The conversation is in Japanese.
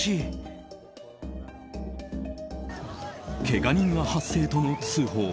けが人が発生との通報。